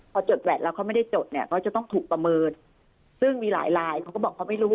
พอจดแวดแล้วเขาไม่ได้จดเนี่ยเขาจะต้องถูกประเมินซึ่งมีหลายลายเขาก็บอกเขาไม่รู้